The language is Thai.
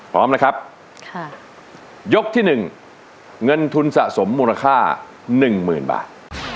พร้อมนะครับค่ะยกที่หนึ่งเงินทุนสะสมมูลค่าหนึ่งหมื่นบาท